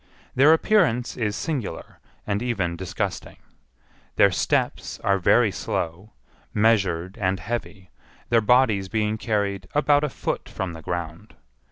Their appearance is singular, and even disgusting. Their steps are very slow, measured, and heavy, their bodies being carried about a foot from the ground.